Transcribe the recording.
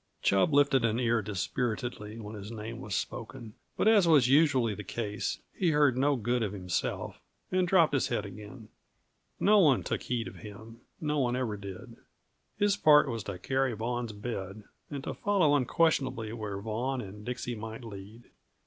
Chub lifted an ear dispiritedly when his name was spoken; but, as was usually the case, he heard no good of himself, and dropped his head again. No one took heed of him; no one ever did. His part was to carry Vaughan's bed, and to follow unquestionably where Vaughan and Dixie might lead.